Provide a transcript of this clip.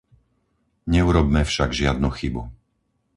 Neurobme však žiadnu chybu.